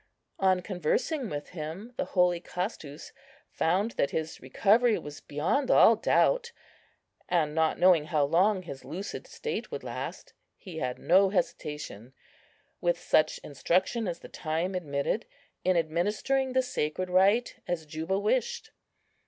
On conversing with him, the holy Castus found that his recovery was beyond all doubt: and not knowing how long his lucid state would last, he had no hesitation, with such instruction as the time admitted, in administering the sacred rite, as Juba wished.